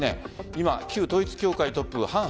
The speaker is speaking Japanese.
今、旧統一教会トップハン